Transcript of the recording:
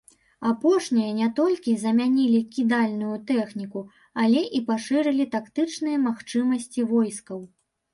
Апошнія не толькі замянілі кідальную тэхніку, але і пашырылі тактычныя магчымасці войскаў.